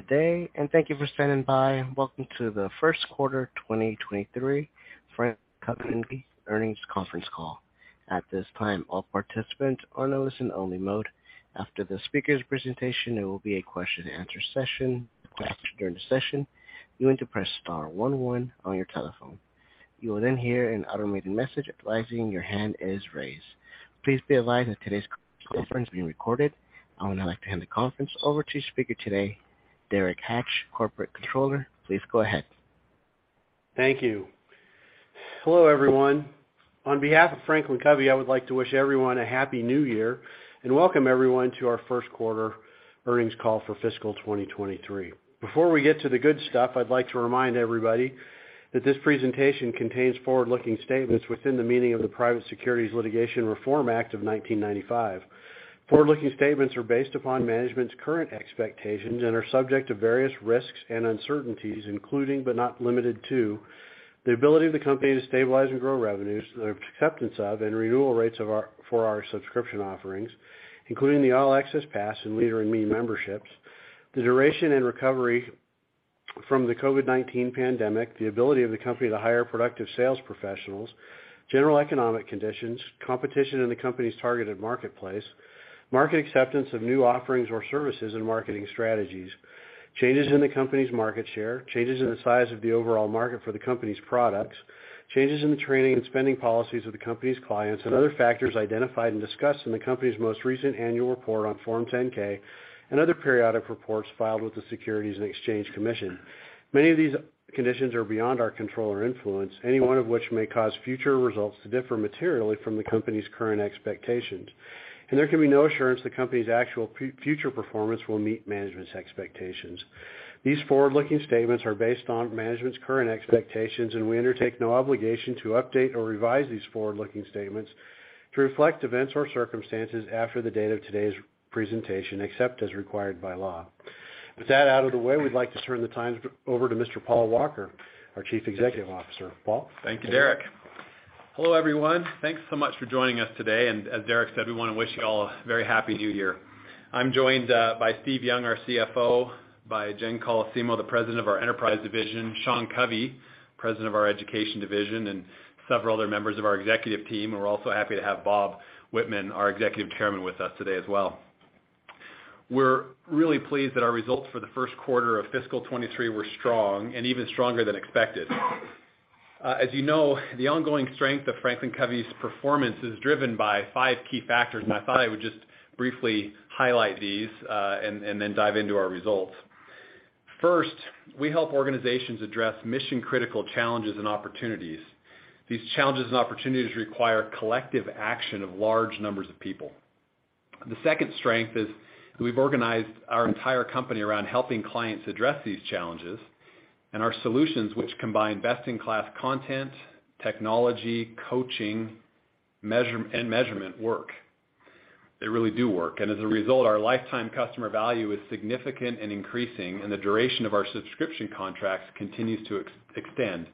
Good day. Thank you for standing by. Welcome to the first quarter 2023 FranklinCovey earnings conference call. At this time, all participants are in a listen only mode. After the speaker's presentation, there will be a question and answer session. To ask during the session, you need to press star one one on your telephone. You will hear an automated message advising your hand is raised. Please be advised that today's conference is being recorded. I would now like to hand the conference over to speaker today, Derek Hatch, Corporate Controller. Please go ahead. Thank you. Hello, everyone. On behalf of FranklinCovey, I would like to wish everyone a happy new year and welcome everyone to our first quarter earnings call for fiscal 2023. Before we get to the good stuff, I'd like to remind everybody that this presentation contains forward-looking statements within the meaning of the Private Securities Litigation Reform Act of 1995. Forward-looking statements are based upon management's current expectations and are subject to various risks and uncertainties, including, but not limited to, the ability of the company to stabilize and grow revenues, the acceptance of and renewal rates for our subscription offerings, including the All Access Pass and Leader in Me memberships, the duration and recovery from the COVID-19 pandemic, the ability of the company to hire productive sales professionals, general economic conditions, competition in the company's targeted marketplace, market acceptance of new offerings or services and marketing strategies, changes in the company's market share, changes in the size of the overall market for the company's products, changes in the training and spending policies of the company's clients and other factors identified and discussed in the company's most recent annual report on Form 10-K and other periodic reports filed with the Securities and Exchange Commission. Many of these conditions are beyond our control or influence, any one of which may cause future results to differ materially from the company's current expectations, and there can be no assurance the company's actual future performance will meet management's expectations. These forward-looking statements are based on management's current expectations, and we undertake no obligation to update or revise these forward-looking statements to reflect events or circumstances after the date of today's presentation, except as required by law. With that out of the way, we'd like to turn the time over to Mr. Paul Walker, our Chief Executive Officer. Paul? Thank you, Derek. Hello, everyone. Thanks so much for joining us today. As Derek said, we wanna wish you all a very happy new year. I'm joined by Steve Young, our CFO, by Jen Colosimo, the President of our Enterprise Division, Sean Covey, President of our Education Division, and several other members of our executive team. We're also happy to have Bob Whitman, our Executive Chairman, with us today as well. We're really pleased that our results for the first quarter of fiscal 2023 were strong and even stronger than expected. As you know, the ongoing strength of FranklinCovey's performance is driven by five key factors. I thought I would just briefly highlight these, then dive into our results. First, we help organizations address mission-critical challenges and opportunities. These challenges and opportunities require collective action of large numbers of people. The second strength is we've organized our entire company around helping clients address these challenges and our solutions which combine best-in-class content, technology, coaching, and measurement work. They really do work. As a result, our lifetime customer value is significant and increasing. The duration of our subscription contracts continues to extend,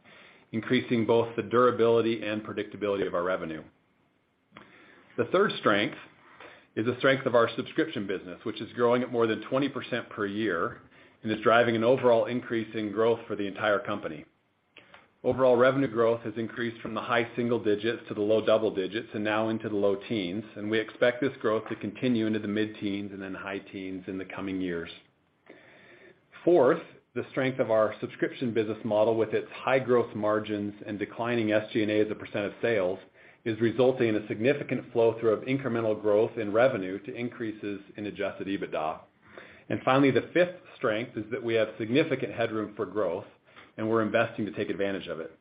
increasing both the durability and predictability of our revenue. The third strength is the strength of our subscription business, which is growing at more than 20% per year and is driving an overall increase in growth for the entire company. Overall revenue growth has increased from the high single digits to the low double digits and now into the low teens. We expect this growth to continue into the mid-teens and then high teens in the coming years. Fourth, the strength of our subscription business model with its high gross margins and declining SG&A as a percent of sales, is resulting in a significant flow-through of incremental growth in revenue to increases in Adjusted EBITDA. Finally, the fifth strength is that we have significant headroom for growth, and we're investing to take advantage of it.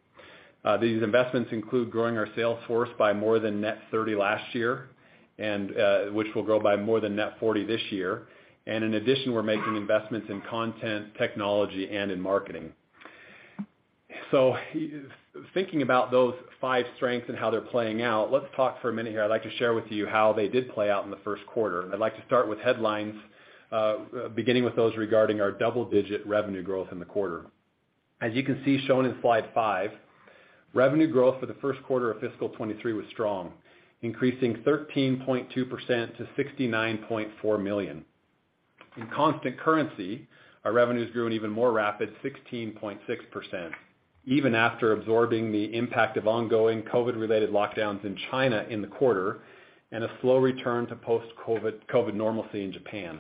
These investments include growing our sales force by more than net 30 last year and, which will grow by more than net 40 this year. In addition, we're making investments in content, technology and in marketing. Thinking about those five strengths and how they're playing out, let's talk for a minute here. I'd like to share with you how they did play out in the first quarter. I'd like to start with headlines, beginning with those regarding our double-digit revenue growth in the quarter. As you can see shown in slide five, revenue growth for the first quarter of fiscal 2023 was strong, increasing 13.2% to $69.4 million. In constant currency, our revenues grew an even more rapid 16.6%, even after absorbing the impact of ongoing COVID-19-related lockdowns in China in the quarter and a slow return to post-COVID-19 normalcy in Japan.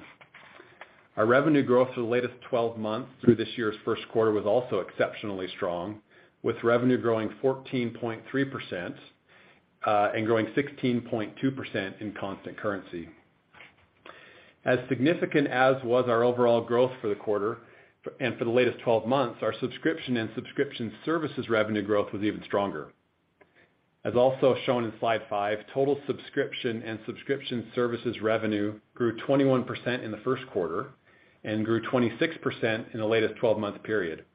Our revenue growth for the latest 12 months through this year's first quarter was also exceptionally strong, with revenue growing 14.3% and growing 16.2% in constant currency. As significant as was our overall growth for the quarter and for the latest 12 months, our subscription and subscription services revenue growth was even stronger. As also shown in slide 5, total subscription and subscription services revenue grew 21% in the first quarter and grew 26% in the latest 12-month period,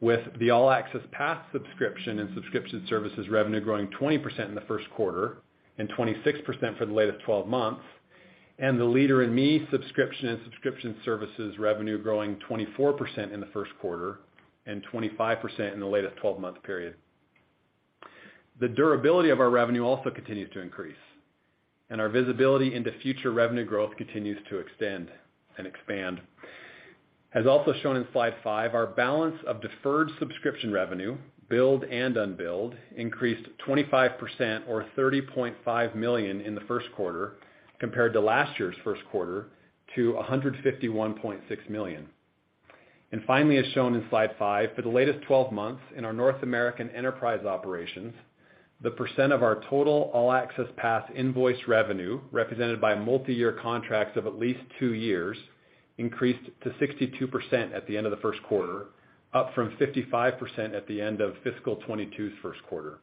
with the All Access Pass subscription and subscription services revenue growing 20% in the first quarter and 26% for the latest 12 months, and the Leader in Me subscription and subscription services revenue growing 24% in the first quarter and 25% in the latest 12-month period. The durability of our revenue also continues to increase, and our visibility into future revenue growth continues to extend and expand. As also shown in slide 5, our balance of deferred subscription revenue, billed and unbilled, increased 25% or $30.5 million in the first quarter compared to last year's first quarter to $151.6 million. Finally, as shown in slide 5, for the latest 12 months in our North American enterprise operations, the percent of our total All Access Pass invoice revenue, represented by multi-year contracts of at least two years, increased to 62% at the end of the first quarter, up from 55% at the end of fiscal 2022's first quarter.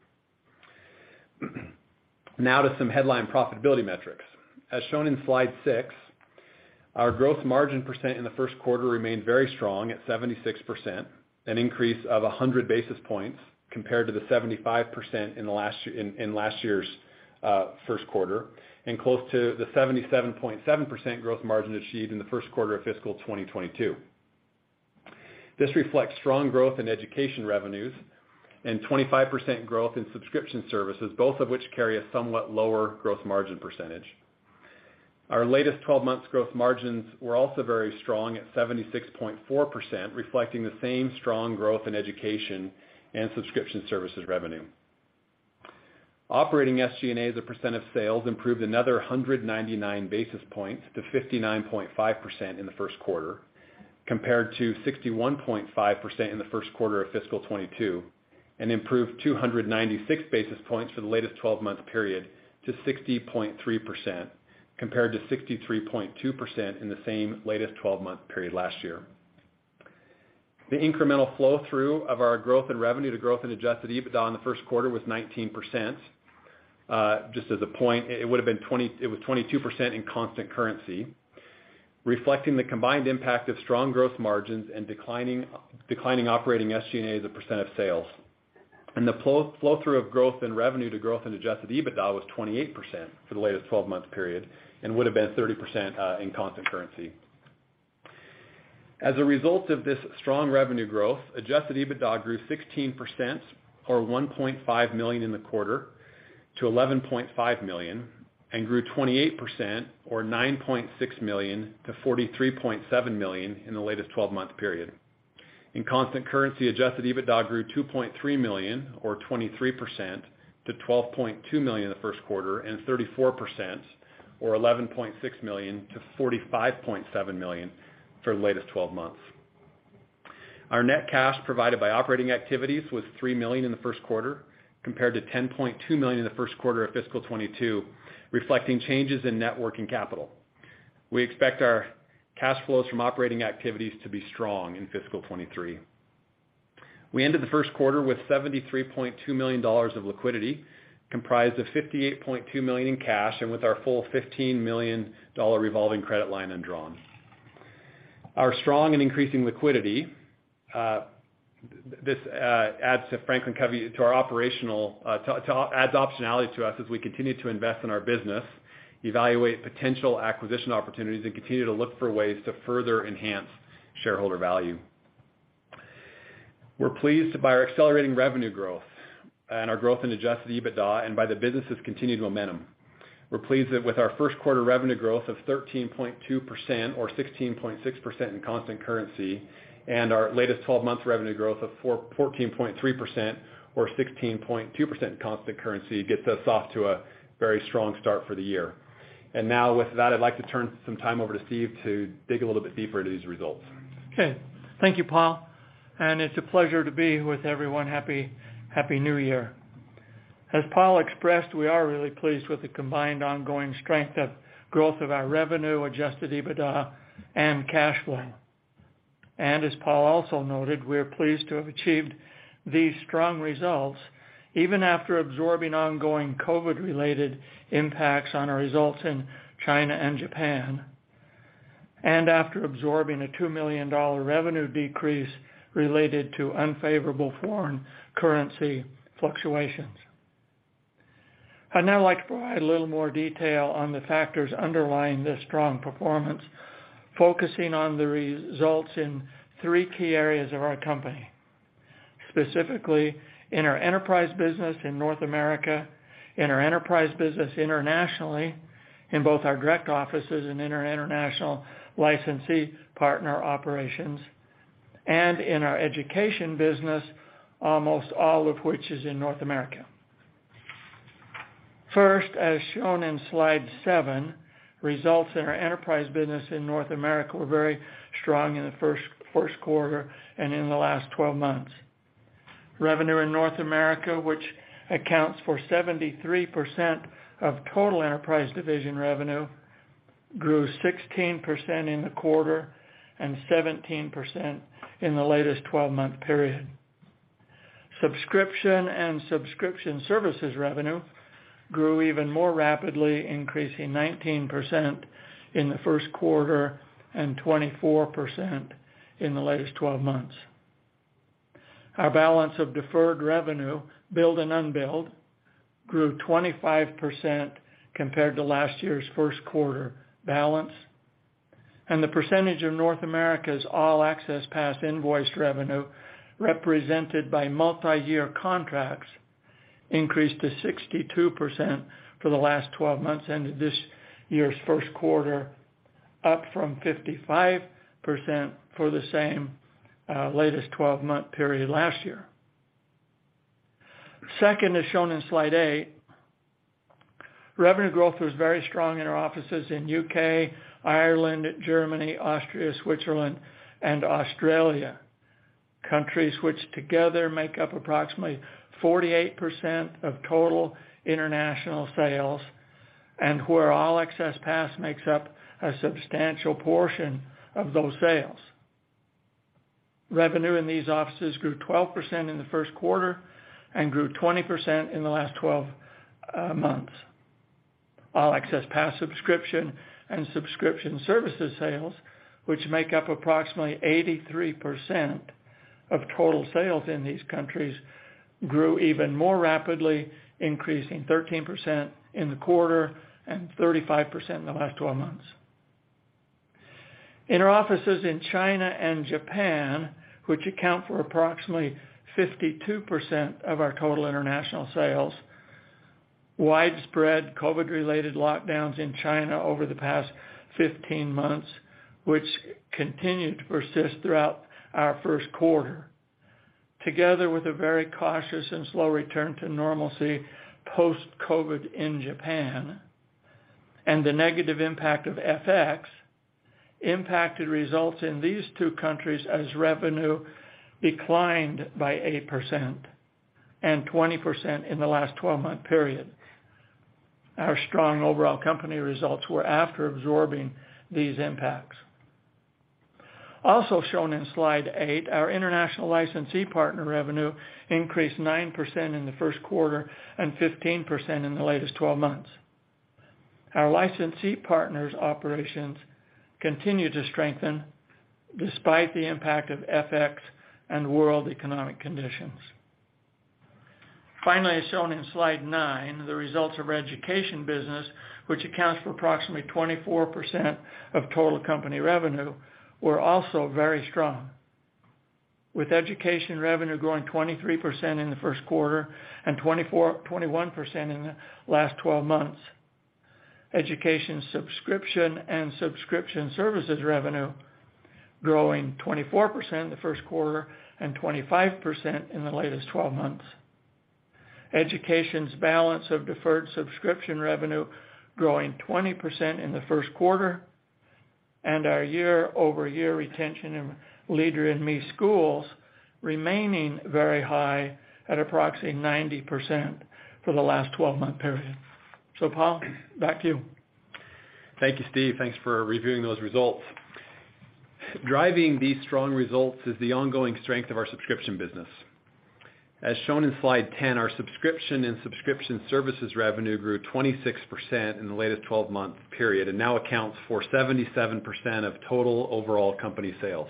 Now to some headline profitability metrics. As shown in slide 6, our gross margin percent in the first quarter remained very strong at 76%, an increase of 100 basis points compared to the 75% in last year's first quarter, and close to the 77.7% gross margin achieved in the first quarter of fiscal 2022. This reflects strong growth in Education revenues and 25% growth in subscription services, both of which carry a somewhat lower gross margin percentage. Our latest 12 months gross margins were also very strong at 76.4%, reflecting the same strong growth in Education and subscription services revenue. Operating SG&A as a % of sales improved another 199 basis points to 59.5% in the first quarter, compared to 61.5% in the first quarter of fiscal 2022, and improved 296 basis points for the latest 12-month period to 60.3%, compared to 63.2% in the same latest 12-month period last year. The incremental flow-through of our growth in revenue to growth in Adjusted EBITDA in the first quarter was 19%. just as a point, it would have been 20%. It was 22% in constant currency, reflecting the combined impact of strong growth margins and declining operating SG&A as a percent of sales. The flow-through of growth in revenue to growth in Adjusted EBITDA was 28% for the latest twelve-month period and would have been 30% in constant currency. As a result of this strong revenue growth, Adjusted EBITDA grew 16% or $1.5 million in the quarter to $11.5 million and grew 28% or $9.6 million to $43.7 million in the latest twelve-month period. In constant currency, Adjusted EBITDA grew $2.3 million or 23% to $12.2 million in the first quarter and 34% or $11.6 million to $45.7 million for the latest twelve months. Our net cash provided by operating activities was $3 million in the first quarter compared to $10.2 million in the first quarter of fiscal 2022, reflecting changes in net working capital. We expect our cash flows from operating activities to be strong in fiscal 2023. We ended the first quarter with $73.2 million of liquidity, comprised of $58.2 million in cash and with our full $15 million revolving credit line undrawn. Our strong and increasing liquidity, this adds to FranklinCovey adds optionality to us as we continue to invest in our business, evaluate potential acquisition opportunities, and continue to look for ways to further enhance shareholder value. We're pleased by our accelerating revenue growth and our growth in Adjusted EBITDA and by the business's continued momentum. We're pleased that with our first quarter revenue growth of 13.2% or 16.6% in constant currency and our latest 12-month revenue growth of 14.3% or 16.2% in constant currency gets us off to a very strong start for the year. Now with that, I'd like to turn some time over to Steve to dig a little bit deeper into these results. Okay. Thank you, Paul, it's a pleasure to be with everyone. Happy New Year. As Paul expressed, we are really pleased with the combined ongoing strength of growth of our revenue, Adjusted EBITDA, and cash flow. As Paul also noted, we are pleased to have achieved these strong results, even after absorbing ongoing COVID-related impacts on our results in China and Japan, and after absorbing a $2 million revenue decrease related to unfavorable foreign currency fluctuations. I'd now like to provide a little more detail on the factors underlying this strong performance, focusing on the results in three key areas of our company. Specifically, in our enterprise business in North America, in our enterprise business internationally, in both our direct offices and in our international licensee partner operations, and in our education business, almost all of which is in North America. First, as shown in slide 7, results in our enterprise business in North America were very strong in the first quarter and in the last 12 months. Revenue in North America, which accounts for 73% of total Enterprise Division revenue, grew 16% in the quarter and 17% in the latest 12-month period. Subscription and subscription services revenue grew even more rapidly, increasing 19% in the first quarter and 24% in the latest 12 months. Our balance of deferred revenue, billed and unbilled, grew 25% compared to last year's first quarter balance. The percentage of North America's All Access Pass invoiced revenue represented by multi-year contracts increased to 62% for the last 12 months ended this year's first quarter, up from 55% for the same latest 12-month period last year. As shown in slide 8, revenue growth was very strong in our offices in U.K., Ireland, Germany, Austria, Switzerland, and Australia, countries which together make up approximately 48% of total international sales and where All Access Pass makes up a substantial portion of those sales. Revenue in these offices grew 12% in the first quarter and grew 20% in the last 12 months. All Access Pass subscription and subscription services sales, which make up approximately 83% of total sales in these countries, grew even more rapidly, increasing 13% in the quarter and 35% in the last 12 months. In our offices in China and Japan, which account for approximately 52% of our total international sales, widespread COVID-related lockdowns in China over the past 15 months, which continued to persist throughout our first quarter, together with a very cautious and slow return to normalcy post-COVID in Japan, and the negative impact of FX impacted results in these two countries as revenue declined by 8% and 20% in the last 12-month period. Our strong overall company results were after absorbing these impacts. Also shown in slide 8, our international licensee partner revenue increased 9% in the first quarter and 15% in the latest 12 months. Our licensee partners' operations continue to strengthen despite the impact of FX and world economic conditions. As shown in slide 9, the results of our education business, which accounts for approximately 24% of total company revenue, were also very strong. With education revenue growing 23% in the first quarter and 21% in the last twelve months. Education subscription and subscription services revenue growing 24% in the first quarter and 25% in the latest twelve months. Education's balance of deferred subscription revenue growing 20% in the first quarter and our year-over-year retention in Leader in Me schools remaining very high at approximately 90% for the last twelve-month period. Paul, back to you. Thank you, Steve. Thanks for reviewing those results. Driving these strong results is the ongoing strength of our subscription business. As shown in slide 10, our subscription and subscription services revenue grew 26% in the latest 12-month period and now accounts for 77% of total overall company sales.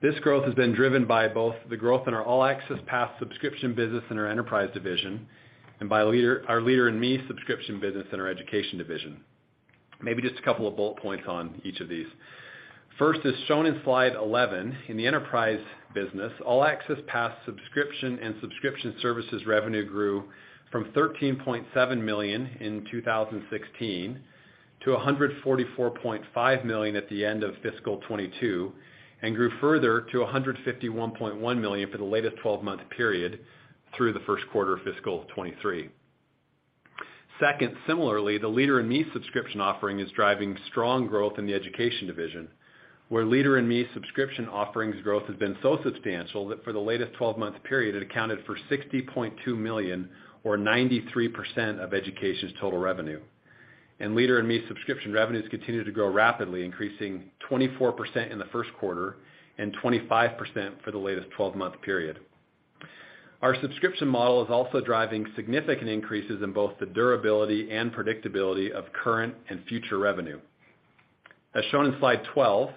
This growth has been driven by both the growth in our All Access Pass subscription business in our enterprise division and by our Leader in Me subscription business in our education division. Maybe just a couple of bullet points on each of these. First, as shown in slide 11, in the enterprise business, All Access Pass subscription and subscription services revenue grew from $13.7 million in 2016 to $144.5 million at the end of fiscal 2022, and grew further to $151.1 million for the latest twelve-month period through the first quarter of fiscal 2023. Second, similarly, the Leader in Me subscription offering is driving strong growth in the education division, where Leader in Me subscription offerings growth has been so substantial that for the latest twelve-month period, it accounted for $60.2 million or 93% of education's total revenue. Leader in Me subscription revenues continue to grow rapidly, increasing 24% in the first quarter and 25% for the latest 12 month period. Our subscription model is also driving significant increases in both the durability and predictability of current and future revenue. As shown in slide 12,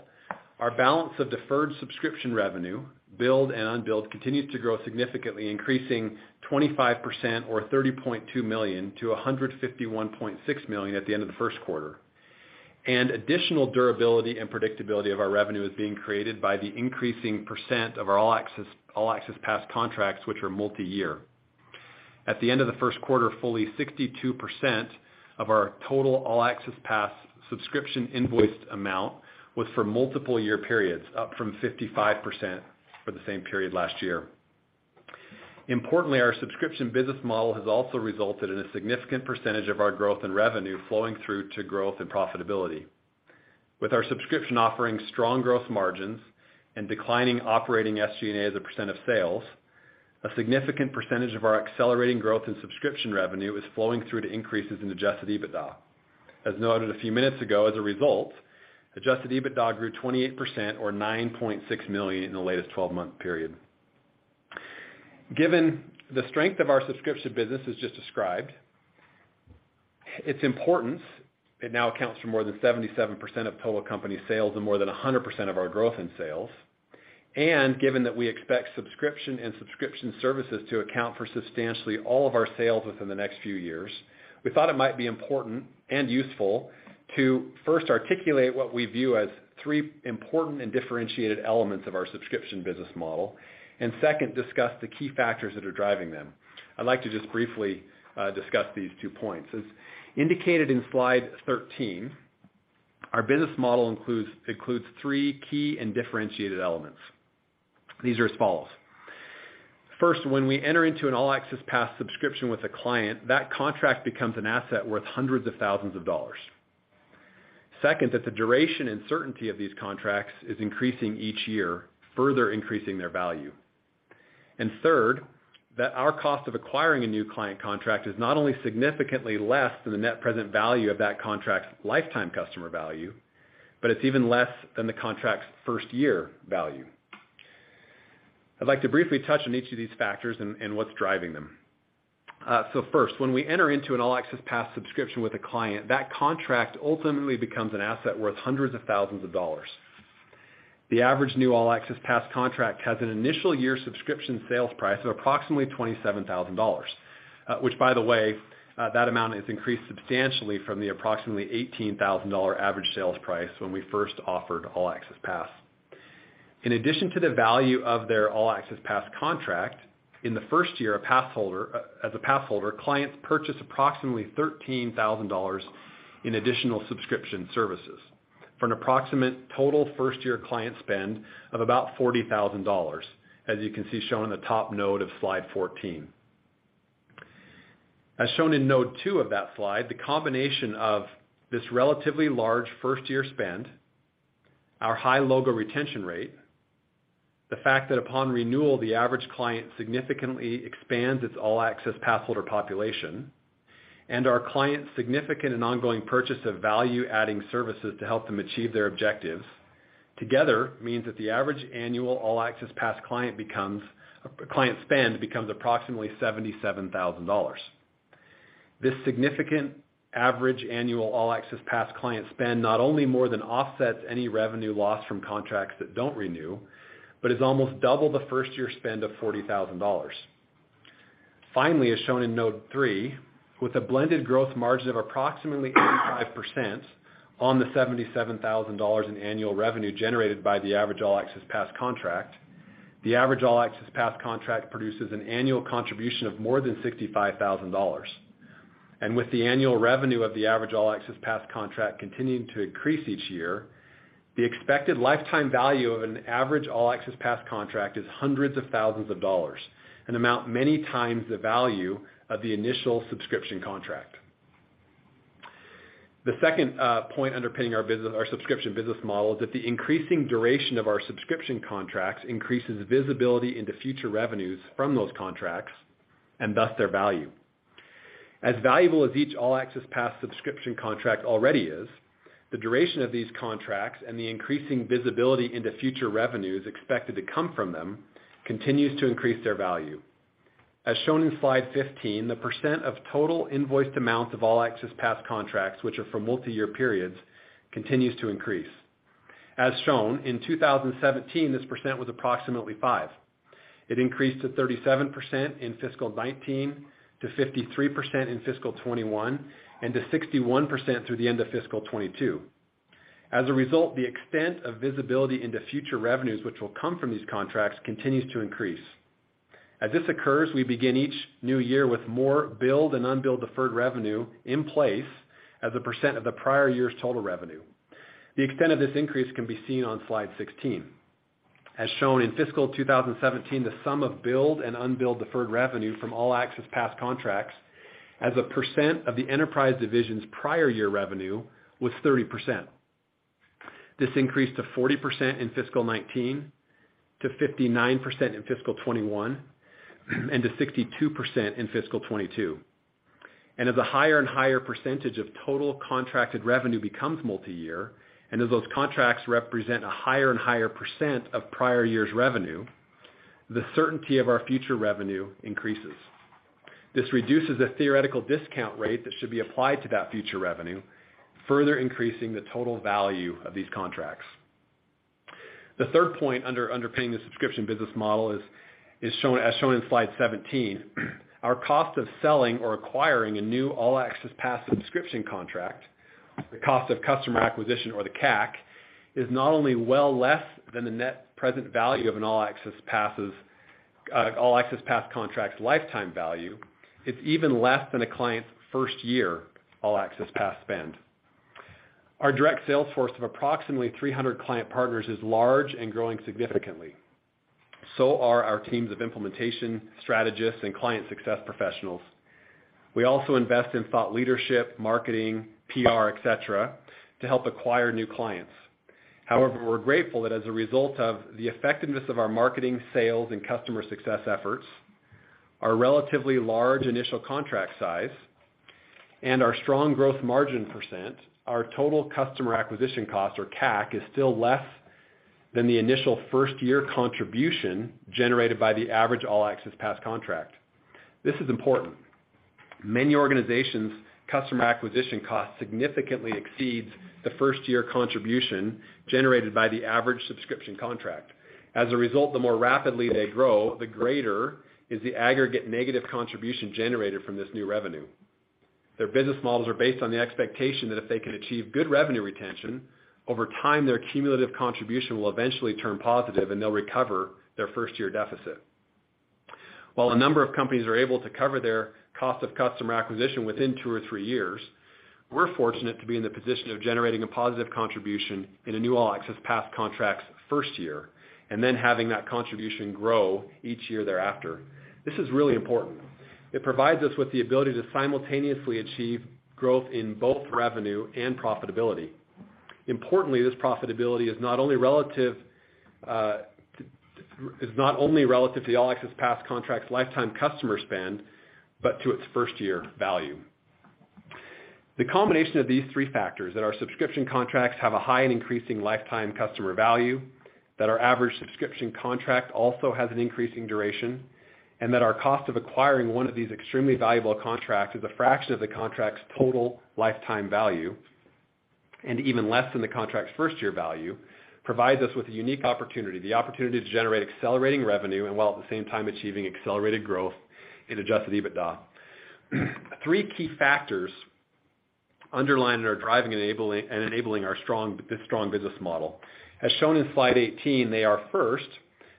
our balance of deferred subscription revenue, billed and unbilled, continues to grow significantly, increasing 25% or $30.2 million to $151.6 million at the end of the first quarter. Additional durability and predictability of our revenue is being created by the increasing percent of our All Access Pass contracts, which are multi-year. At the end of the first quarter, fully 62% of our total All Access Pass subscription invoiced amount was for multiple year periods, up from 55% for the same period last year. Importantly, our subscription business model has also resulted in a significant percentage of our growth in revenue flowing through to growth and profitability. With our subscription offering strong growth margins and declining operating SG&A as a % of sales, a significant percentage of our accelerating growth in subscription revenue is flowing through to increases in Adjusted EBITDA. As noted a few minutes ago, as a result, Adjusted EBITDA grew 28% or $9.6 million in the latest twelve-month period. Given the strength of our subscription business as just described, its importance, it now accounts for more than 77% of total company sales and more than 100% of our growth in sales. Given that we expect subscription and subscription services to account for substantially all of our sales within the next few years, we thought it might be important and useful to first articulate what we view as three important and differentiated elements of our subscription business model. Second, discuss the key factors that are driving them. I'd like to just briefly discuss these two points. As indicated in slide 13, our business model includes three key and differentiated elements. These are as follows. First, when we enter into an All Access Pass subscription with a client, that contract becomes an asset worth hundreds of thousands of dollars. Second, that the duration and certainty of these contracts is increasing each year, further increasing their value. Third, that our cost of acquiring a new client contract is not only significantly less than the net present value of that contract's customer lifetime value, but it's even less than the contract's first year value. I'd like to briefly touch on each of these factors and what's driving them. First, when we enter into an All Access Pass subscription with a client, that contract ultimately becomes an asset worth hundreds of thousands of dollars. The average new All Access Pass contract has an initial year subscription sales price of approximately $27,000. Which by the way, that amount has increased substantially from the approximately $18,000 average sales price when we first offered All Access Pass. In addition to the value of their All Access Pass contract, in the first year, as a pass holder, clients purchase approximately $13,000 in additional subscription services for an approximate total first year client spend of about $40,000, as you can see shown in the top note of slide 14. As shown in note two of that slide, the combination of this relatively large first year spend, our high logo retention rate, the fact that upon renewal, the average client significantly expands its All Access Pass holder population, and our clients' significant and ongoing purchase of value adding services to help them achieve their objectives, together means that the average annual All Access Pass client spend becomes approximately $77,000. This significant average annual All Access Pass client spend not only more than offsets any revenue loss from contracts that don't renew, but is almost double the first year spend of $40,000. Finally, as shown in note three, with a blended gross margin of approximately 85% on the $77,000 in annual revenue generated by the average All Access Pass contract, the average All Access Pass contract produces an annual contribution of more than $65,000. With the annual revenue of the average All Access Pass contract continuing to increase each year, the expected lifetime value of an average All Access Pass contract is hundreds of thousands of dollars, an amount many times the value of the initial subscription contract. The second point underpinning our subscription business model is that the increasing duration of our subscription contracts increases visibility into future revenues from those contracts, and thus their value. As valuable as each All Access Pass subscription contract already is, the duration of these contracts and the increasing visibility into future revenues expected to come from them continues to increase their value. As shown in slide 15, the percent of total invoiced amounts of All Access Pass contracts, which are for multi-year periods, continues to increase. As shown, in 2017, this percent was approximately 5%. It increased to 37% in fiscal 2019, to 53% in fiscal 2021, and to 61% through the end of fiscal 2022. As a result, the extent of visibility into future revenues, which will come from these contracts, continues to increase. As this occurs, we begin each new year with more billed and unbilled deferred revenue in place as a percent of the prior year's total revenue. The extent of this increase can be seen on slide 16. As shown, in fiscal 2017, the sum of billed and unbilled deferred revenue from All Access Pass contracts as a percent of the Enterprise Division's prior year revenue was 30%. This increased to 40% in fiscal 2019, to 59% in fiscal 2021, and to 62% in fiscal 2022. As a higher and higher percentage of total contracted revenue becomes multi-year, and as those contracts represent a higher and higher percent of prior year's revenue, the certainty of our future revenue increases. This reduces the theoretical discount rate that should be applied to that future revenue, further increasing the total value of these contracts. The third point underpinning the subscription business model as shown in slide 17. Our cost of selling or acquiring a new All Access Pass subscription contract, the cost of customer acquisition or the CAC, is not only well less than the net present value of an All Access Pass contract's lifetime value, it's even less than a client's first year All Access Pass spend. Our direct sales force of approximately 300 Client Partners is large and growing significantly, so are our teams of Implementation Strategists and client success professionals. We also invest in thought leadership, marketing, PR, et cetera, to help acquire new clients. We're grateful that as a result of the effectiveness of our marketing, sales, and customer success efforts, our relatively large initial contract size and our strong gross margin percent, our total customer acquisition cost or CAC is still less than the initial first year contribution generated by the average All Access Pass contract. This is important. Many organizations' customer acquisition costs significantly exceeds the first-year contribution generated by the average subscription contract. As a result, the more rapidly they grow, the greater is the aggregate negative contribution generated from this new revenue. Their business models are based on the expectation that if they can achieve good revenue retention, over time, their cumulative contribution will eventually turn positive, and they'll recover their first-year deficit. While a number of companies are able to cover their cost of customer acquisition within two or three years, we're fortunate to be in the position of generating a positive contribution in a new All Access Pass contract's first year, and then having that contribution grow each year thereafter. This is really important. It provides us with the ability to simultaneously achieve growth in both revenue and profitability. Importantly, this profitability is not only relative to the All Access Pass contract's lifetime customer spend, but to its first-year value. The combination of these 3 factors, that our subscription contracts have a high and increasing customer lifetime value, that our average subscription contract also has an increasing duration, and that our cost of acquiring one of these extremely valuable contracts is a fraction of the contract's total lifetime value, and even less than the contract's first year value, provides us with a unique opportunity, the opportunity to generate accelerating revenue, and while at the same time achieving accelerated growth in Adjusted EBITDA. 3 key factors underlying and are driving and enabling this strong business model. As shown in slide 18, they are, first,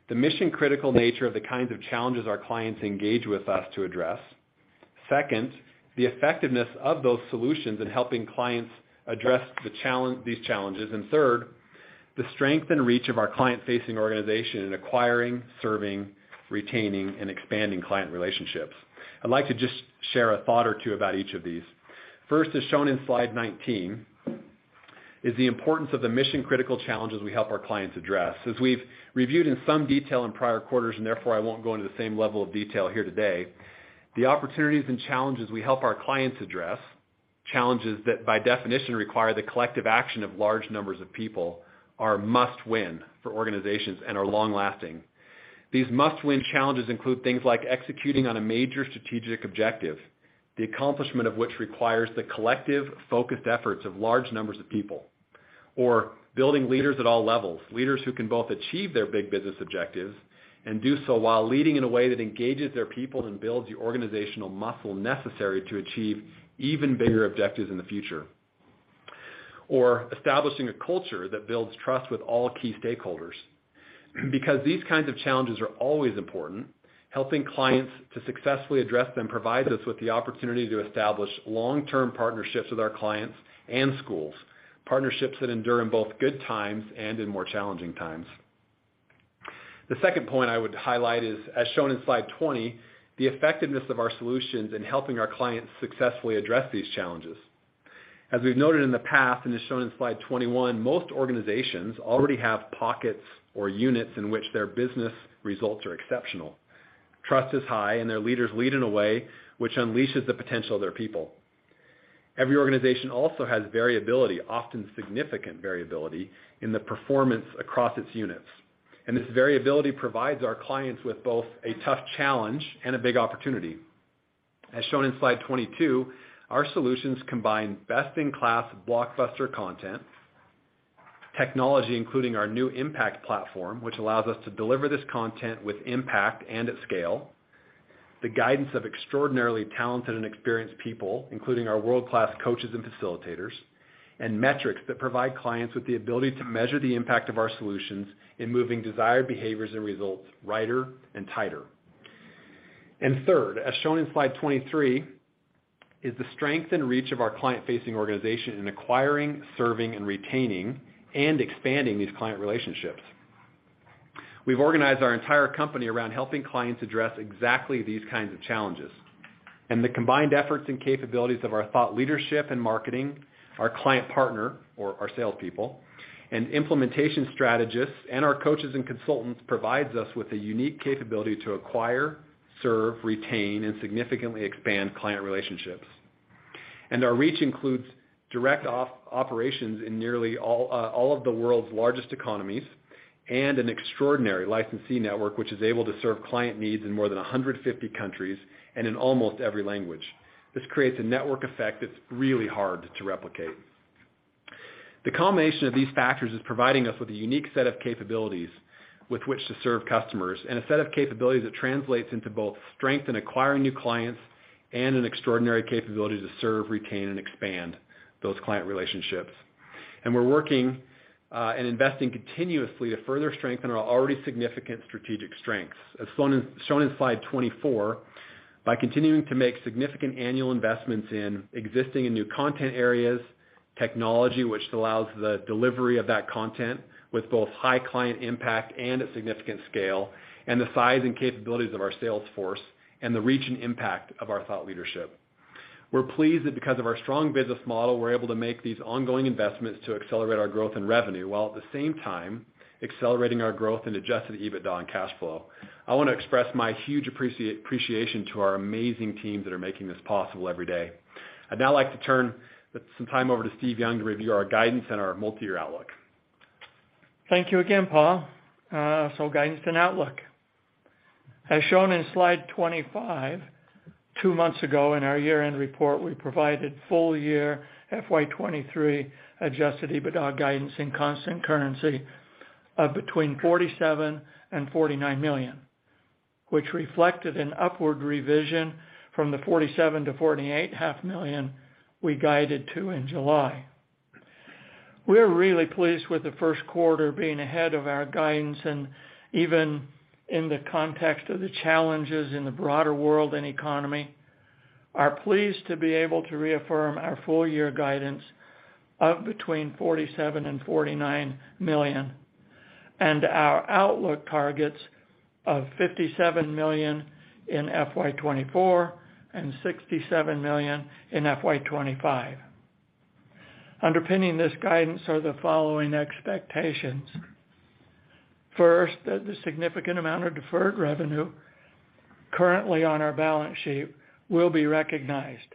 the mission-critical nature of the kinds of challenges our clients engage with us to address. Second, the effectiveness of those solutions in helping clients address these challenges. Third, the strength and reach of our client-facing organization in acquiring, serving, retaining, and expanding client relationships. I'd like to just share a thought or two about each of these. First, as shown in slide 19, is the importance of the mission-critical challenges we help our clients address. As we've reviewed in some detail in prior quarters, therefore I won't go into the same level of detail here today, the opportunities and challenges we help our clients address, challenges that by definition require the collective action of large numbers of people, are must-win for organizations and are long-lasting. These must-win challenges include things like executing on a major strategic objective, the accomplishment of which requires the collective focused efforts of large numbers of people. Building leaders at all levels, leaders who can both achieve their big business objectives and do so while leading in a way that engages their people and builds the organizational muscle necessary to achieve even bigger objectives in the future. Establishing a culture that builds trust with all key stakeholders. These kinds of challenges are always important, helping clients to successfully address them provides us with the opportunity to establish long-term partnerships with our clients and schools, partnerships that endure in both good times and in more challenging times. The second point I would highlight is, as shown in slide 20, the effectiveness of our solutions in helping our clients successfully address these challenges. As we've noted in the past, and as shown in slide 21, most organizations already have pockets or units in which their business results are exceptional. Trust is high, their leaders lead in a way which unleashes the potential of their people. Every organization also has variability, often significant variability, in the performance across its units. This variability provides our clients with both a tough challenge and a big opportunity. As shown in slide 22, our solutions combine best-in-class blockbuster content, technology, including our new Impact Platform, which allows us to deliver this content with impact and at scale, the guidance of extraordinarily talented and experienced people, including our world-class coaches and facilitators, and metrics that provide clients with the ability to measure the impact of our solutions in moving desired behaviors and results righter and tighter. Third, as shown in slide 23, is the strength and reach of our client-facing organization in acquiring, serving, retaining, and expanding these client relationships. We've organized our entire company around helping clients address exactly these kinds of challenges. The combined efforts and capabilities of our thought leadership and marketing, our Client Partner or our salespeople, and Implementation Strategists, and our coaches and consultants provides us with a unique capability to acquire, serve, retain, and significantly expand client relationships. Our reach includes direct operations in nearly all of the world's largest economies, and an extraordinary licensee network, which is able to serve client needs in more than 150 countries and in almost every language. This creates a network effect that's really hard to replicate. The combination of these factors is providing us with a unique set of capabilities with which to serve customers and a set of capabilities that translates into both strength in acquiring new clients and an extraordinary capability to serve, retain, and expand those client relationships. We're working and investing continuously to further strengthen our already significant strategic strengths. As shown in slide 24, by continuing to make significant annual investments in existing and new content areas, technology which allows the delivery of that content with both high client impact and a significant scale, and the size and capabilities of our sales force, and the reach and impact of our thought leadership. We're pleased that because of our strong business model, we're able to make these ongoing investments to accelerate our growth in revenue, while at the same time accelerating our growth in Adjusted EBITDA and cash flow. I wanna express my huge appreciation to our amazing teams that are making this possible every day. I'd now like to turn some time over to Steve Young to review our guidance and our multi-year outlook. Thank you again, Paul. Guidance and outlook. As shown in slide 25, two months ago in our year-end report, we provided full year FY 2023 Adjusted EBITDA guidance in constant currency of between $47 million and $49 million, which reflected an upward revision from the $47 million to $48 half million we guided to in July. We're really pleased with the first quarter being ahead of our guidance, and even in the context of the challenges in the broader world and economy, are pleased to be able to reaffirm our full year guidance of between $47 million and $49 million, and our outlook targets of $57 million in FY 2024 and $67 million in FY 2025. Underpinning this guidance are the following expectations. First, that the significant amount of deferred revenue currently on our balance sheet will be recognized.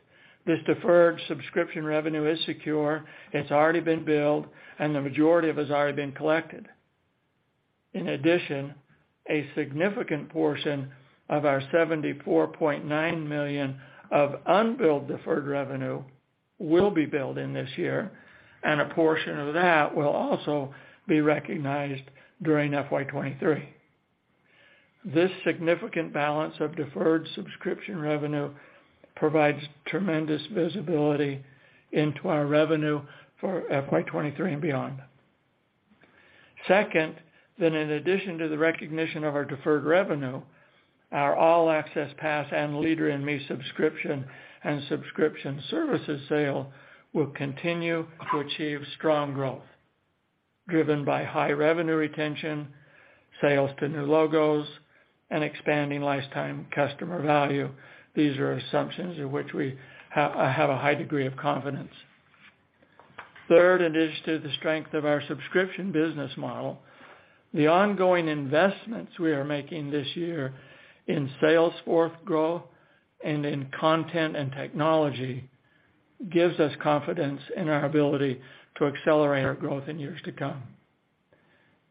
This deferred subscription revenue is secure, it's already been billed, and the majority of it has already been collected. In addition, a significant portion of our $74.9 million of unbilled deferred revenue will be billed in this year, and a portion of that will also be recognized during FY 2023. This significant balance of deferred subscription revenue provides tremendous visibility into our revenue for FY 2023 and beyond. Second, that in addition to the recognition of our deferred revenue, our All Access Pass and Leader in Me subscription and subscription services sale will continue to achieve strong growth, driven by high revenue retention, sales to new logos, and expanding customer lifetime value. These are assumptions in which we have a high degree of confidence. Third, in addition to the strength of our subscription business model, the ongoing investments we are making this year in sales force growth and in content and technology gives us confidence in our ability to accelerate our growth in years to come.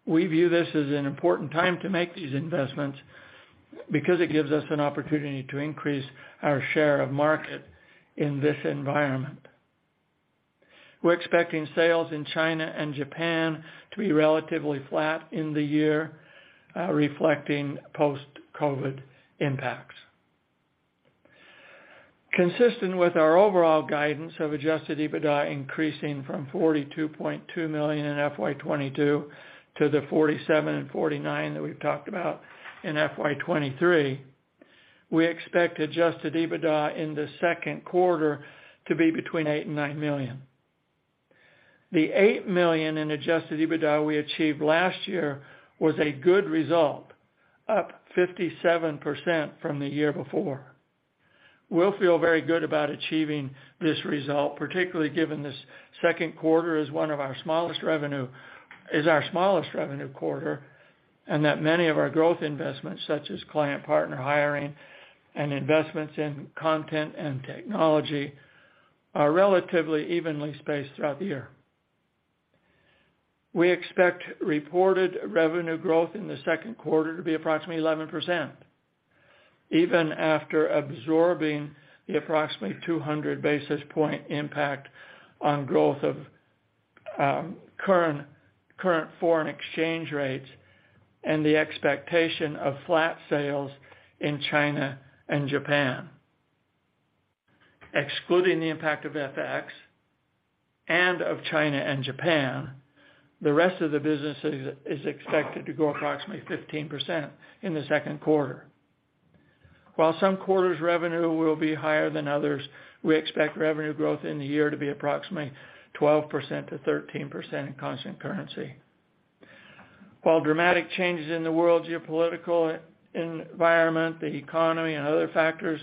We view this as an important time to make these investments because it gives us an opportunity to increase our share of market in this environment. We're expecting sales in China and Japan to be relatively flat in the year, reflecting post-COVID impacts. Consistent with our overall guidance of Adjusted EBITDA increasing from $42.2 million in FY 2022 to the $47 million-$49 million that we've talked about in FY 2023, we expect Adjusted EBITDA in the second quarter to be between $8 million and $9 million. The $8 million in Adjusted EBITDA we achieved last year was a good result, up 57% from the year before. We'll feel very good about achieving this result, particularly given this second quarter is our smallest revenue quarter, and that many of our growth investments, such as Client Partner hiring and investments in content and technology, are relatively evenly spaced throughout the year. We expect reported revenue growth in the second quarter to be approximately 11%, even after absorbing the approximately 200 basis point impact on growth of current foreign exchange rates and the expectation of flat sales in China and Japan. Excluding the impact of FX and of China and Japan, the rest of the businesses is expected to grow approximately 15% in the second quarter. While some quarters' revenue will be higher than others, we expect revenue growth in the year to be approximately 12%-13% in constant currency. While dramatic changes in the world geopolitical environment, the economy, and other factors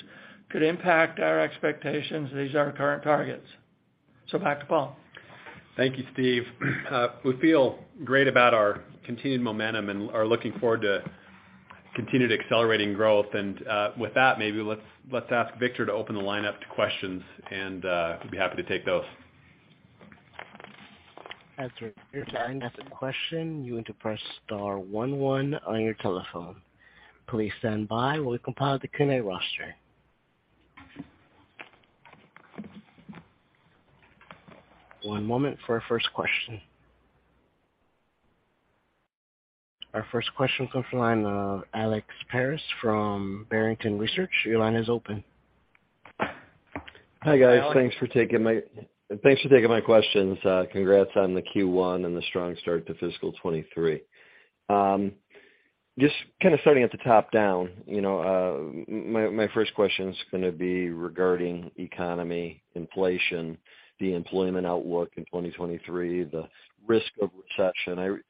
could impact our expectations, these are our current targets. Back to Paul. Thank you, Steve. We feel great about our continued momentum and are looking forward to continued accelerating growth. With that, maybe let's ask Victor to open the line up to questions. We'll be happy to take those. As a reminder, to ask a question, you want to press star one one on your telephone. Please stand by while we compile the connect roster. One moment for our first question. Our first question comes from the line of Alex Paris from Barrington Research. Your line is open. Hi, guys. Alex. Thanks for taking my questions. Congrats on the Q1 and the strong start to fiscal 2023. Just kinda starting at the top down, you know, my first question's gonna be regarding economy, inflation, the employment outlook in 2023, the risk of recession.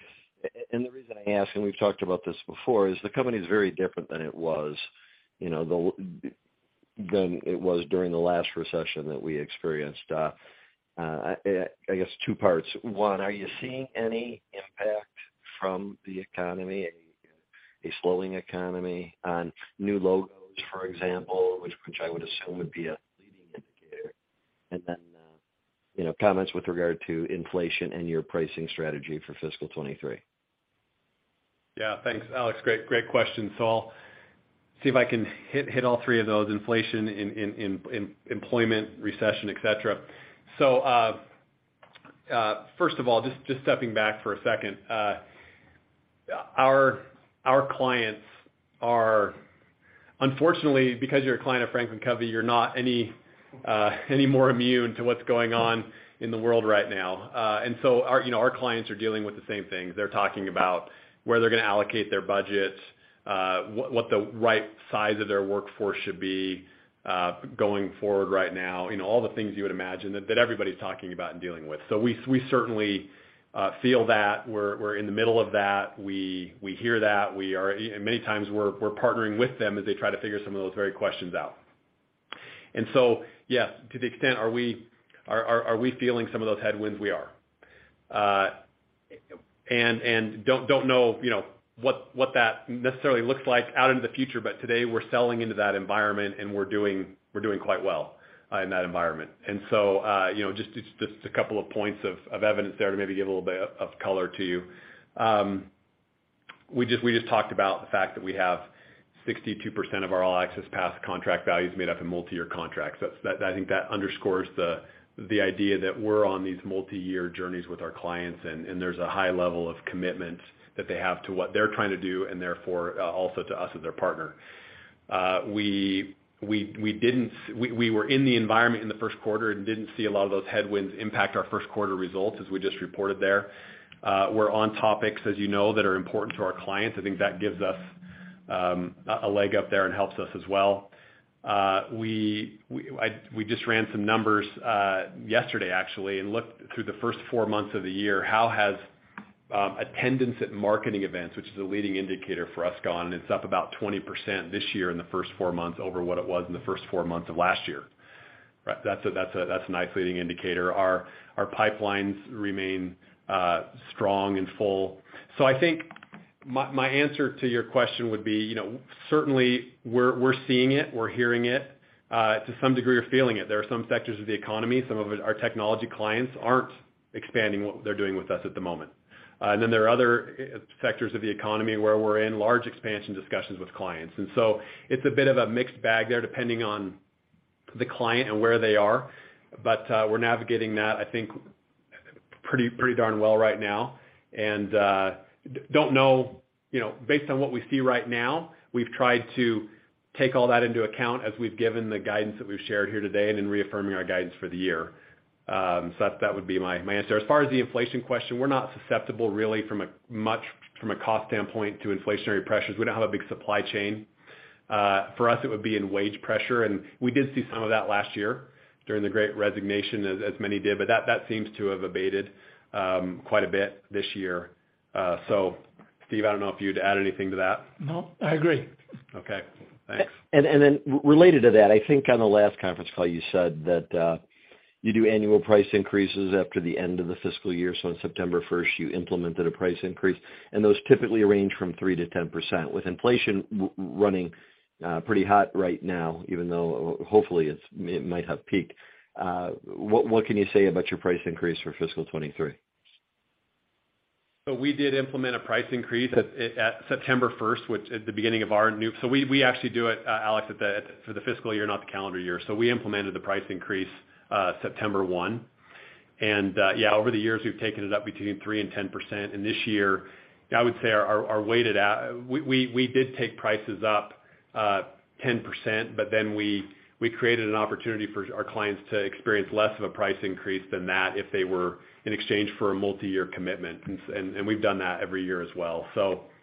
The reason I ask, and we've talked about this before, is the company's very different than it was, you know, than it was during the last recession that we experienced. I guess two parts. One, are you seeing any impact from the economy, a slowing economy on new logos, for example, which I would assume would be a leading indicator? Then, you know, comments with regard to inflation and your pricing strategy for fiscal 2023. Yeah. Thanks, Alex. Great question. I'll see if I can hit all three of those, inflation, employment, recession, et cetera. First of all, just stepping back for a second. Our clients are unfortunately, because you're a client of FranklinCovey, you're not any more immune to what's going on in the world right now. Our clients are dealing with the same things. They're talking about where they're gonna allocate their budget, what the right size of their workforce should be going forward right now, you know, all the things you would imagine that everybody's talking about and dealing with. We certainly feel that. We're in the middle of that. We hear that. We are and many times we're partnering with them as they try to figure some of those very questions out. Yes, to the extent, are we feeling some of those headwinds? We are. Don't know, you know, what that necessarily looks like out into the future, but today we're selling into that environment, and we're doing quite well in that environment. You know, just a couple of points of evidence there to maybe give a little bit of color to you. We just talked about the fact that we have 62% of our All Access Pass contract values made up in multi-year contracts. That's I think that underscores the idea that we're on these multi-year journeys with our clients, and there's a high level of commitment that they have to what they're trying to do and therefore, also to us as their partner. We were in the environment in the first quarter and didn't see a lot of those headwinds impact our first quarter results as we just reported there. We're on topics as you know, that are important to our clients. I think that gives us a leg up there and helps us as well. We just ran some numbers yesterday actually, and looked through the first four months of the year, how has attendance at marketing events, which is a leading indicator for us gone, and it's up about 20% this year in the first four months over what it was in the first four months of last year. Right. That's a nice leading indicator. Our pipelines remain strong and full. I think my answer to your question would be, you know, certainly we're seeing it, we're hearing it, to some degree we're feeling it. There are some sectors of the economy, some of it our technology clients aren't expanding what they're doing with us at the moment. There are other sectors of the economy where we're in large expansion discussions with clients. It's a bit of a mixed bag there depending on the client and where they are. We're navigating that, I think, pretty darn well right now. Don't know, you know, based on what we see right now, we've tried to take all that into account as we've given the guidance that we've shared here today and in reaffirming our guidance for the year. That would be my answer. As far as the inflation question, we're not susceptible really from a cost standpoint to inflationary pressures. We don't have a big supply chain. For us, it would be in wage pressure, and we did see some of that last year during the Great Resignation as many did, but that seems to have abated quite a bit this year. Steve, I don't know if you'd add anything to that. No, I agree. Okay, thanks. Then related to that, I think on the last conference call, you said that you do annual price increases after the end of the fiscal year. On September 1st, you implemented a price increase, and those typically range from 3%-10%. With inflation running pretty hot right now, even though hopefully it might have peaked, what can you say about your price increase for fiscal 23? We did implement a price increase at September 1st. We actually do it, Alex, for the fiscal year, not the calendar year. We implemented the price increase September 1. Over the years, we've taken it up between 3% and 10%. This year, I would say our weighted average, we did take prices up 10%, we created an opportunity for our clients to experience less of a price increase than that if they were in exchange for a multi-year commitment. We've done that every year as well.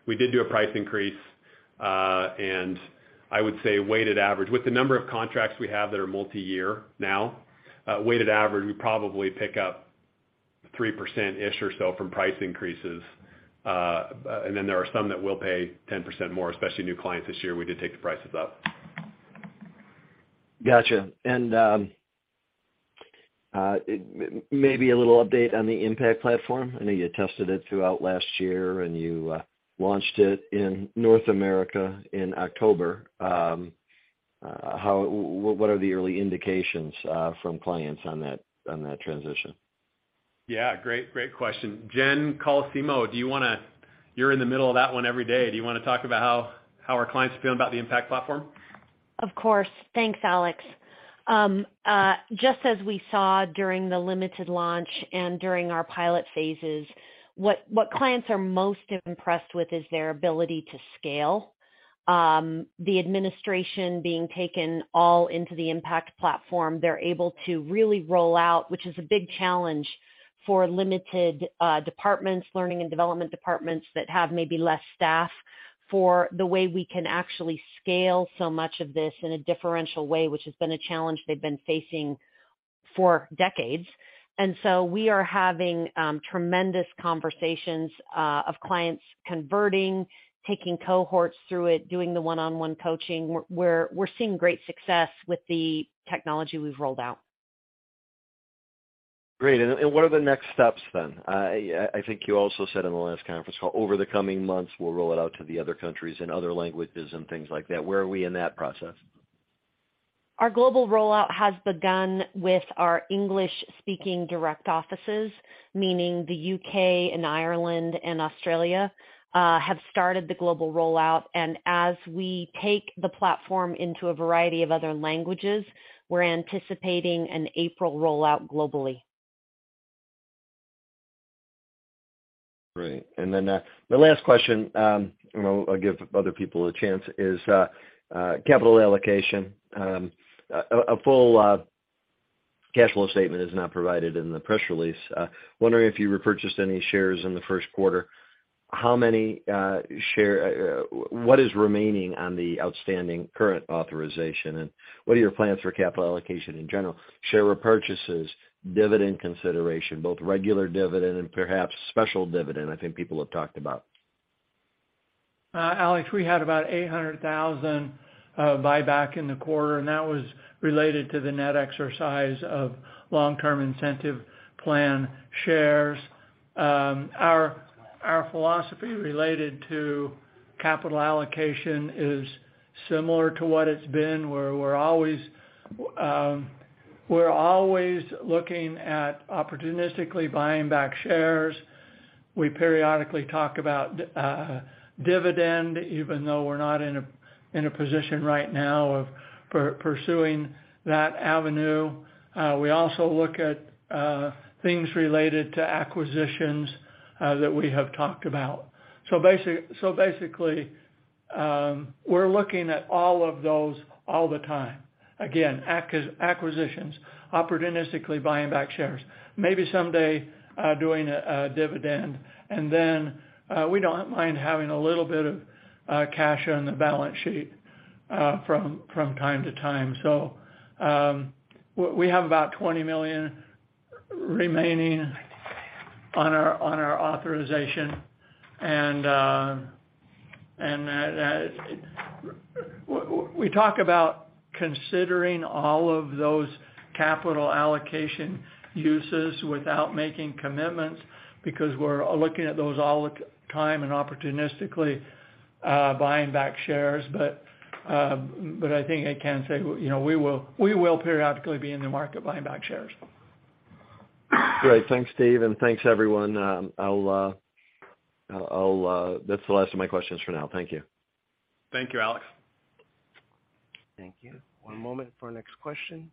We did do a price increase, I would say weighted average. With the number of contracts we have that are multi-year now, weighted average, we probably pick up 3%-ish or so from price increases. Then there are some that will pay 10% more, especially new clients this year, we did take the prices up. Gotcha. Maybe a little update on the Impact Platform. I know you tested it throughout last year and you launched it in North America in October. What are the early indications from clients on that transition? Yeah. Great question. Jen Colosimo, do you wanna you're in the middle of that one every day. Do you wanna talk about how our clients are feeling about the Impact Platform? Of course. Thanks, Alex. Just as we saw during the limited launch and during our pilot phases, what clients are most impressed with is their ability to scale. The administration being taken all into the Impact Platform, they're able to really roll out, which is a big challenge for limited departments, learning and development departments that have maybe less staff for the way we can actually scale so much of this in a differential way, which has been a challenge they've been facing for decades. We are having tremendous conversations of clients converting, taking cohorts through it, doing the one-on-one coaching. We're seeing great success with the technology we've rolled out. Great. What are the next steps then? I think you also said in the last conference call, over the coming months, we'll roll it out to the other countries in other languages and things like that. Where are we in that process? Our global rollout has begun with our English-speaking direct offices, meaning the UK and Ireland and Australia, have started the global rollout. As we take the platform into a variety of other languages, we're anticipating an April rollout globally. Great. The last question, and I'll give other people a chance, is capital allocation. A full cash flow statement is not provided in the press release. Wondering if you repurchased any shares in the first quarter, how many share, what is remaining on the outstanding current authorization? What are your plans for capital allocation in general, share repurchases, dividend consideration, both regular dividend and perhaps special dividend I think people have talked about? Alex, we had about $800,000 buyback in the quarter. That was related to the net exercise of long-term incentive plan shares. Our philosophy related to capital allocation is similar to what it's been, where we're always looking at opportunistically buying back shares. We periodically talk about dividend, even though we're not in a position right now of pursuing that avenue. We also look at things related to acquisitions that we have talked about. Basically, we're looking at all of those all the time. Again, acquisitions, opportunistically buying back shares, maybe someday doing a dividend. We don't mind having a little bit of cash on the balance sheet from time to time. We have about $20 million remaining on our authorization. That we talk about considering all of those capital allocation uses without making commitments because we're looking at those all the time and opportunistically buying back shares. I think I can say, you know, we will periodically be in the market buying back shares. Great. Thanks, Steve. Thanks, everyone. That's the last of my questions for now. Thank you. Thank you, Alex. Thank you. One moment for our next question.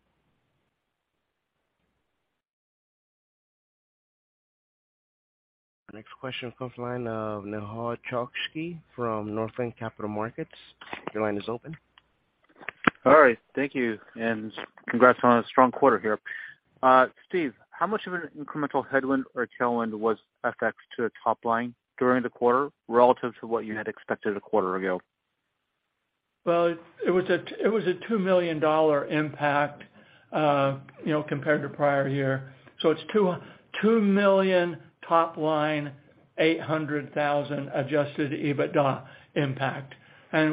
Our next question comes from the line of Nehal Chokshi from Northland Capital Markets. Your line is open. All right. Thank you, and congrats on a strong quarter here. Steve, how much of an incremental headwind or tailwind was FX to the top line during the quarter relative to what you had expected a quarter ago? Well, it was a $2 million impact, you know, compared to prior year. It's $2 million top line, $800,000 Adjusted EBITDA impact.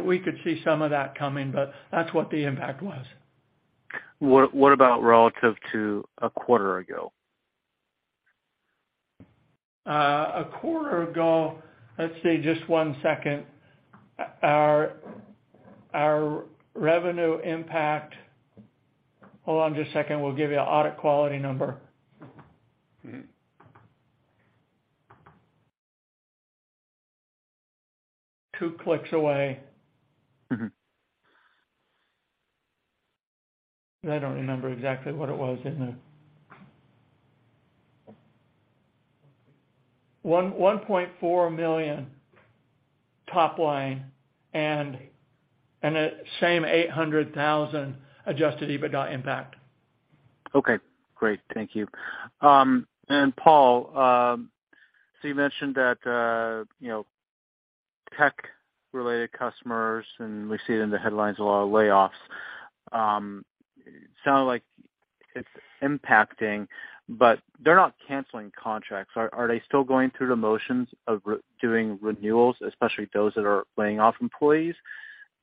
We could see some of that coming, but that's what the impact was. What about relative to a quarter ago? A quarter ago. Let's see, just 1 second. Our revenue impact. Hold on just 1 second. We'll give you an audit quality number. 2 clicks away. I don't remember exactly what it was in the $1.4 million top line and the same $800,000 Adjusted EBITDA impact. Okay, great. Thank you. Paul, you mentioned that, you know, tech-related customers, and we see it in the headlines, a lot of layoffs. It sounded like it's impacting, but they're not canceling contracts. Are they still going through the motions of re-doing renewals, especially those that are laying off employees,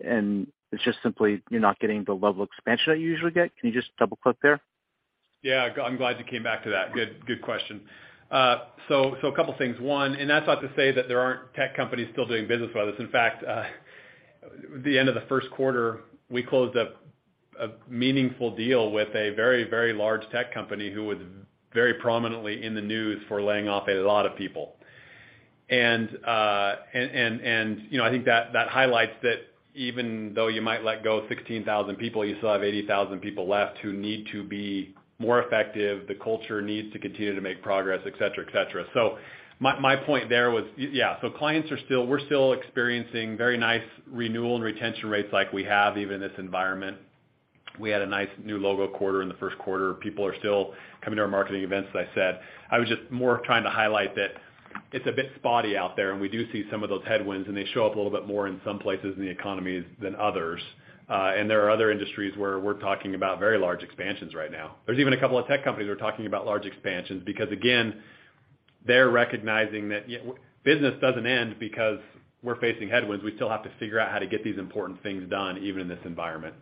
and it's just simply you're not getting the level of expansion that you usually get? Can you just double-click there? Yeah. I'm glad you came back to that. Good, good question. A couple things. One, that's not to say that there aren't tech companies still doing business with us. In fact, the end of the first quarter, we closed up a meaningful deal with a very, very large tech company who was very prominently in the news for laying off a lot of people. You know, I think that highlights that even though you might let go of 16,000 people, you still have 80,000 people left who need to be more effective. The culture needs to continue to make progress, et cetera, et cetera. My point there was, yeah. Clients are still experiencing very nice renewal and retention rates like we have even in this environment. We had a nice new logo quarter in the first quarter. People are still coming to our marketing events, as I said. I was just more trying to highlight that it's a bit spotty out there, and we do see some of those headwinds, and they show up a little bit more in some places in the economies than others. There are other industries where we're talking about very large expansions right now. There's even a couple of tech companies that are talking about large expansions because, again. They're recognizing that, you know, business doesn't end because we're facing headwinds. We still have to figure out how to get these important things done, even in this environment.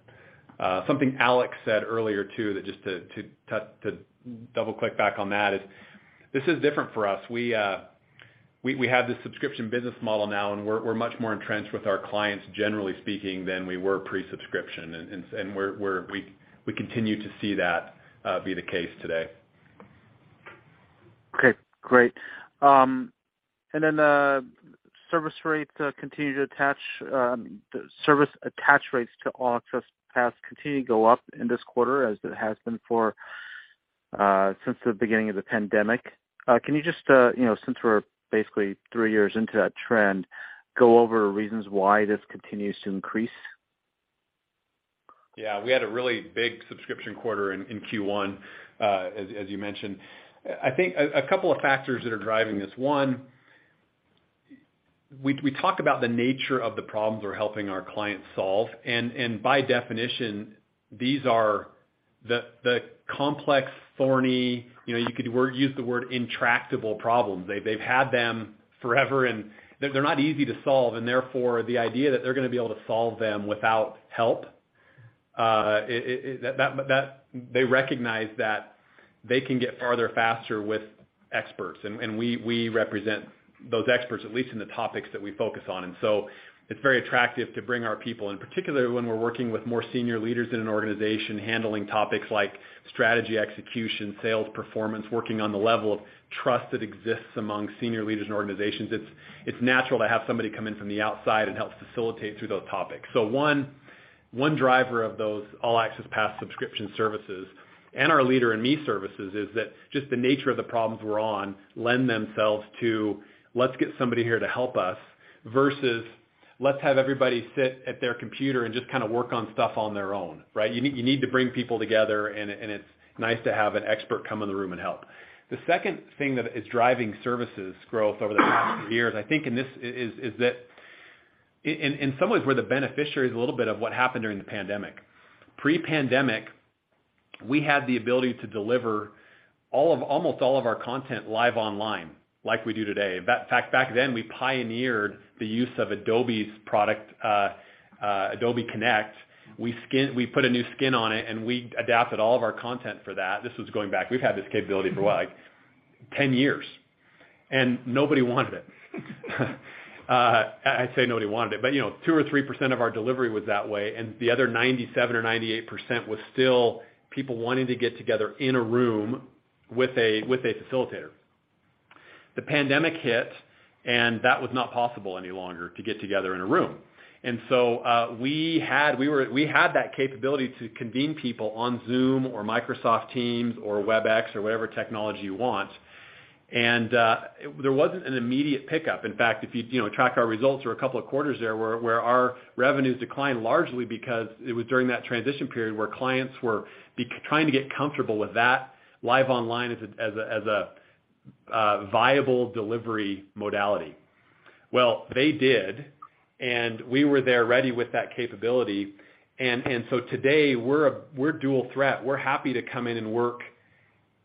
Something Alex said earlier, too, that just to double-click back on that is this is different for us. We have this subscription business model now, and we're much more entrenched with our clients, generally speaking, than we were pre-subscription. We continue to see that, be the case today. Okay, great. The service attach rates to All Access Pass continue to go up in this quarter, as it has been since the beginning of the pandemic. Can you just, you know, since we're basically 3 years into that trend, go over reasons why this continues to increase? Yeah, we had a really big subscription quarter in Q1, as you mentioned. I think a couple of factors that are driving this. One, we talk about the nature of the problems we're helping our clients solve. By definition, these are the complex, thorny, you know, you could use the word intractable problems. They've had them forever, and they're not easy to solve. Therefore, the idea that they're gonna be able to solve them without help, they recognize that they can get farther faster with experts, and we represent those experts, at least in the topics that we focus on. It's very attractive to bring our people, and particularly when we're working with more senior leaders in an organization handling topics like strategy execution, sales performance, working on the level of trust that exists among senior leaders in organizations. It's natural to have somebody come in from the outside and help facilitate through those topics. One driver of those All Access Pass subscription services and our Leader in Me services is that just the nature of the problems we're on lend themselves to, "Let's get somebody here to help us," versus, "Let's have everybody sit at their computer and just kind of work on stuff on their own." Right? You need to bring people together, and it's nice to have an expert come in the room and help. The second thing that is driving services growth over the past few years, I think, and this is that in some ways, we're the beneficiaries a little bit of what happened during the pandemic. Pre-pandemic, we had the ability to deliver almost all of our content live online like we do today. In fact, back then, we pioneered the use of Adobe's product, Adobe Connect. We put a new skin on it, and we adapted all of our content for that. This was going back. We've had this capability for what? Like 10 years, and nobody wanted it. I say nobody wanted it, but, you know, 2% or 3% of our delivery was that way, and the other 97% or 98% was still people wanting to get together in a room with a, with a facilitator. The pandemic hit, and that was not possible any longer to get together in a room. We had that capability to convene people on Zoom or Microsoft Teams or Webex or whatever technology you want. There wasn't an immediate pickup. In fact, if you know, track our results for a couple of quarters there, where our revenues declined largely because it was during that transition period where clients were trying to get comfortable with that live online as a viable delivery modality. Well, they did, and we were there ready with that capability. Today, we're dual threat. We're happy to come in and work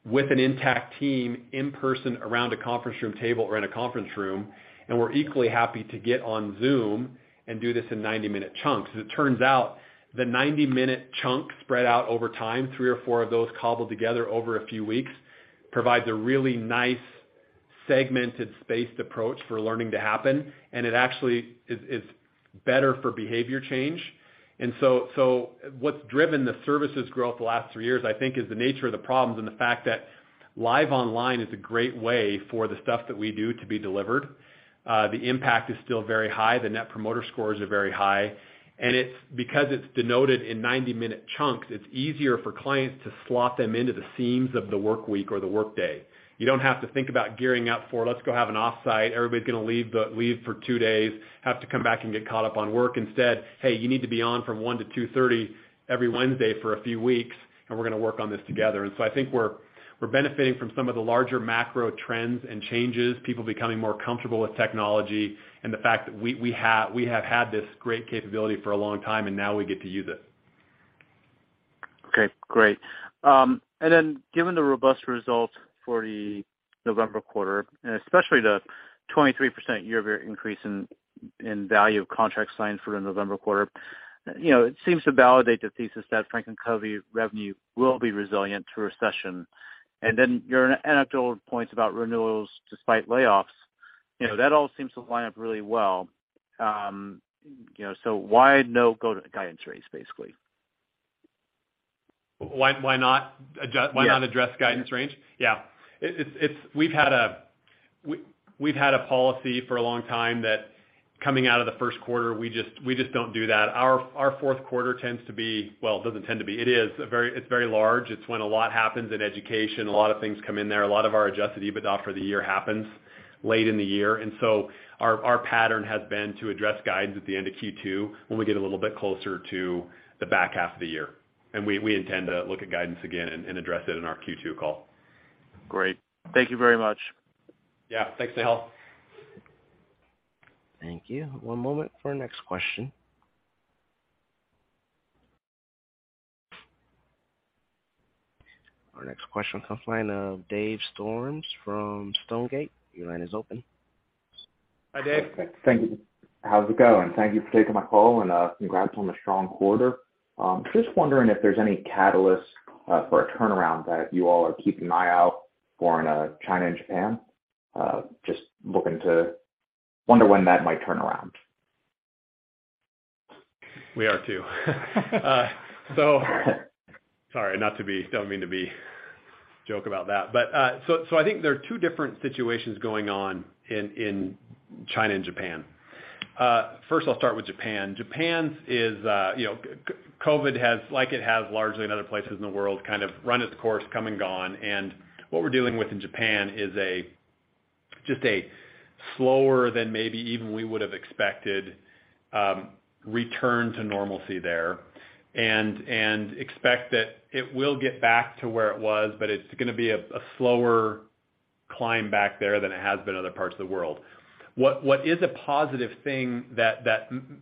with an intact team in person around a conference room table or in a conference room, and we're equally happy to get on Zoom and do this in 90-minute chunks. As it turns out, the 90-minute chunks spread out over time, three or four of those cobbled together over a few weeks, provides a really nice segmented, spaced approach for learning to happen, and it actually is better for behavior change. So what's driven the services growth the last three years, I think, is the nature of the problems and the fact that live online is a great way for the stuff that we do to be delivered. The impact is still very high. The Net Promoter Score are very high. It's because it's denoted in 90-minute chunks, it's easier for clients to slot them into the seams of the workweek or the workday. You don't have to think about gearing up for, "Let's go have an offsite. Everybody's gonna leave for two days, have to come back and get caught up on work." Instead, "Hey, you need to be on from 1:00 to 2:30 every Wednesday for a few weeks, and we're gonna work on this together." I think we're benefiting from some of the larger macro trends and changes, people becoming more comfortable with technology, and the fact that we have had this great capability for a long time, and now we get to use it. Okay, great. Given the robust results for the November quarter, and especially the 23% year-over-year increase in value of contracts signed for the November quarter, you know, it seems to validate the thesis that FranklinCovey revenue will be resilient to recession. Your anecdotal points about renewals despite layoffs, you know, that all seems to line up really well. You know, why no go-to-guidance range, basically? Why not address- Yeah. Why not address guidance range? Yeah. It's. We've had a policy for a long time that coming out of the first quarter, we just don't do that. Our fourth quarter tends to be. Well, it doesn't tend to be, it's very large. It's when a lot happens in education, a lot of things come in there. A lot of our Adjusted EBITDA for the year happens late in the year. Our pattern has been to address guidance at the end of Q2 when we get a little bit closer to the back half of the year. We intend to look at guidance again and address it in our Q2 call. Great. Thank you very much. Yeah. Thanks, Nehal. Thank you. One moment for our next question. Our next question comes line of Dave Storms from Stonegate. Your line is open. Hi, Dave. Thank you. How's it going? Thank you for taking my call and congrats on the strong quarter. Just wondering if there's any catalyst for a turnaround that you all are keeping an eye out for in China and Japan. Just looking to wonder when that might turn around. We are too. Sorry, don't mean to be joke about that. I think there are two different situations going on in China and Japan. First, I'll start with Japan. Japan's is, you know, COVID-19 has, like it has largely in other places in the world, kind of run its course, come and gone. What we're dealing with in Japan is a, just a slower than maybe even we would've expected, return to normalcy there. Expect that it will get back to where it was, but it's gonna be a slower climb back there than it has been in other parts of the world. What is a positive thing that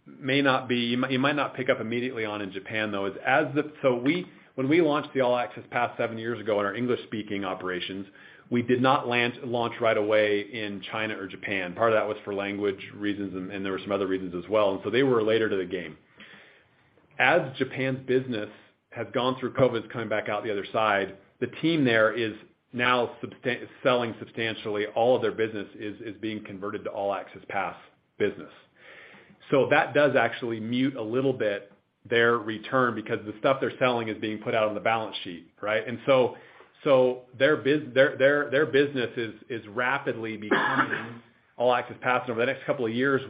may not be you might not pick up immediately on in Japan, though, is as the- We when we launched the All Access Pass 7 years ago in our English-speaking operations, we did not launch right away in China or Japan. Part of that was for language reasons and there were some other reasons as well. They were later to the game. As Japan's business has gone through COVID coming back out the other side, the team there is now selling substantially. All of their business is being converted to All Access Pass business. That does actually mute a little bit their return because the stuff they're selling is being put out on the balance sheet, right? Their business is rapidly becoming All Access Pass. Over the next couple of years,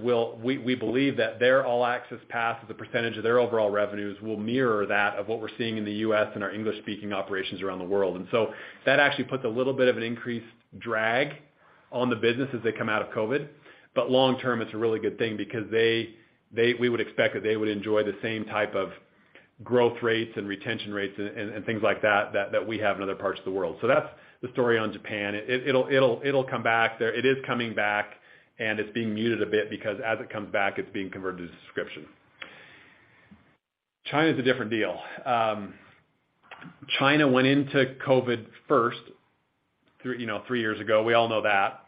we believe that their All Access Pass, as a percentage of their overall revenues, will mirror that of what we're seeing in the U.S. and our English-speaking operations around the world. That actually puts a little bit of an increased drag on the business as they come out of COVID. Long term, it's a really good thing because they, we would expect that they would enjoy the same type of growth rates and retention rates and things like that that we have in other parts of the world. That's the story on Japan. It'll come back. It is coming back, and it's being muted a bit because as it comes back, it's being converted to subscription. China's a different deal. China went into COVID first, you know, 3 years ago. We all know that.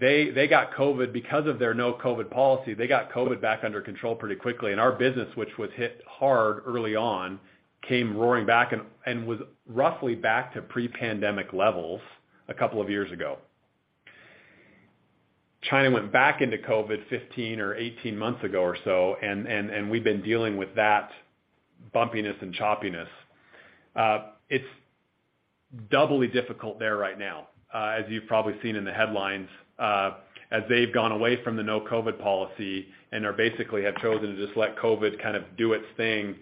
They got COVID. Because of their no-COVID policy, they got COVID back under control pretty quickly. Our business, which was hit hard early on, came roaring back and was roughly back to pre-pandemic levels a couple of years ago. China went back into COVID 15 or 18 months ago or so, and we've been dealing with that bumpiness and choppiness. It's doubly difficult there right now, as you've probably seen in the headlines, as they've gone away from the no-COVID policy and are basically have chosen to just let COVID kind of do its thing,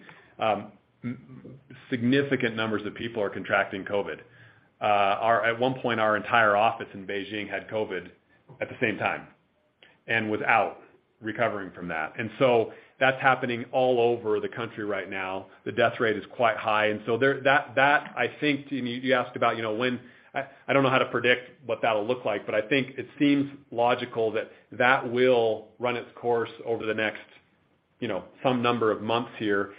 significant numbers of people are contracting COVID. At one point, our entire office in Beijing had COVID at the same time and without recovering from that. That's happening all over the country right now. The death rate is quite high. That, I think, I mean, you asked about, you know, when. I don't know how to predict what that'll look like, but I think it seems logical that that will run its course over the next, you know, some number of months here.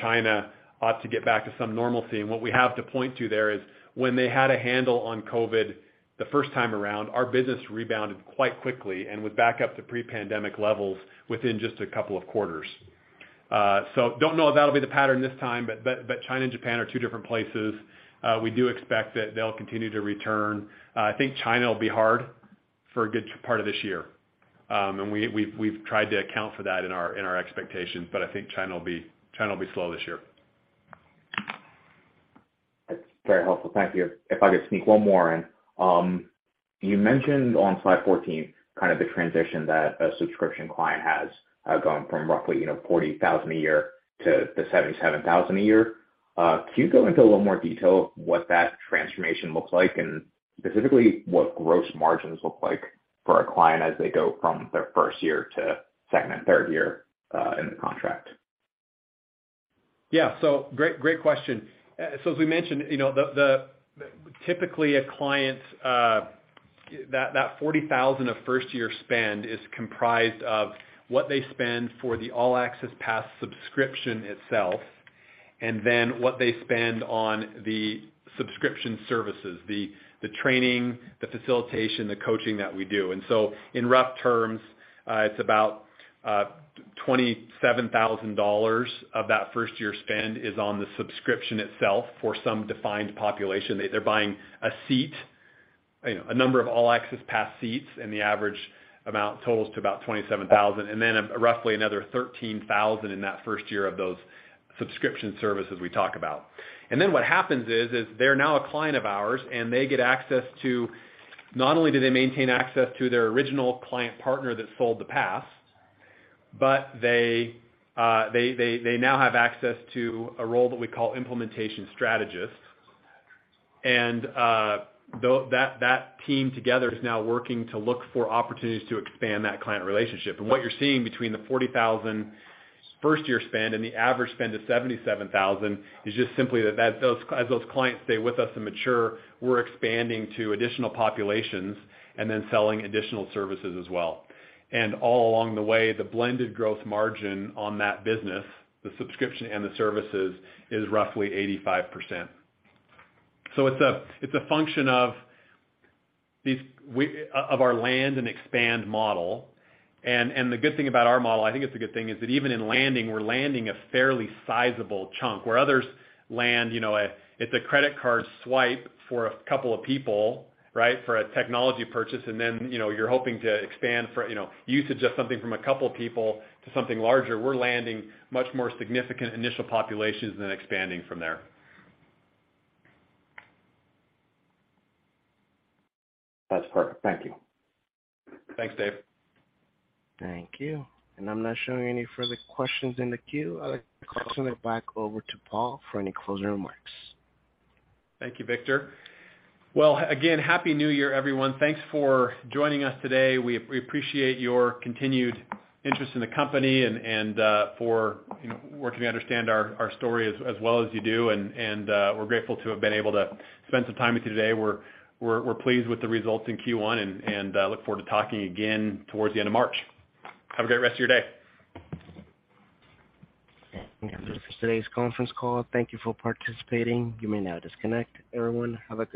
China ought to get back to some normalcy. What we have to point to there is when they had a handle on COVID the first time around, our business rebounded quite quickly and was back up to pre-pandemic levels within just a couple of quarters. Don't know if that'll be the pattern this time, but China and Japan are two different places. We do expect that they'll continue to return. I think China will be hard for a good part of this year. We've tried to account for that in our expectations, but I think China will be slow this year. That's very helpful. Thank you. If I could sneak one more in. You mentioned on slide 14 kind of the transition that a subscription client has gone from roughly, you know, $40,000 a year to $77,000 a year. Can you go into a little more detail what that transformation looks like and specifically what gross margins look like for a client as they go from their first year to second and third year in the contract? Great, great question. As we mentioned, you know, the typically a client's that $40,000 of first-year spend is comprised of what they spend for the All Access Pass subscription itself and then what they spend on the subscription services, the training, the facilitation, the coaching that we do. In rough terms, it's about $27,000 of that first-year spend is on the subscription itself for some defined population. They're buying a seat, you know, a number of All Access Pass seats, and the average amount totals to about $27,000. Then roughly another $13,000 in that first year of those subscription services we talk about. What happens is they're now a client of ours, and they get access to not only do they maintain access to their original Client Partner that sold the pass, but they now have access to a role that we call Implementation Strategist. That team together is now working to look for opportunities to expand that client relationship. What you're seeing between the $40,000 first-year spend and the average spend of $77,000 is just simply that, as those clients stay with us and mature, we're expanding to additional populations and then selling additional services as well. All along the way, the blended Gross margin on that business, the subscription and the services, is roughly 85%. It's a, it's a function of our land and expand model. The good thing about our model, I think it's a good thing, is that even in landing, we're landing a fairly sizable chunk where others land, you know, it's a credit card swipe for a couple of people, right? For a technology purchase, and then, you know, you're hoping to expand for, you know, usage of something from a couple people to something larger. We're landing much more significant initial populations than expanding from there. That's perfect. Thank you. Thanks, Dave. Thank you. I'm not showing any further questions in the queue. I'd like to toss it back over to Paul for any closing remarks. Thank you, Victor. Well, again, Happy New Year, everyone. Thanks for joining us today. We appreciate your continued interest in the company and, for, you know, working to understand our story as well as you do. We're grateful to have been able to spend some time with you today. We're pleased with the results in Q1 and, look forward to talking again towards the end of March. Have a great rest of your day. This is today's conference call. Thank you for participating. You may now disconnect. Everyone, have a good one.